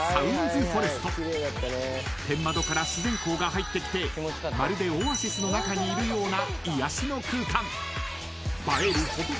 ［天窓から自然光が入ってきてまるでオアシスの中にいるような］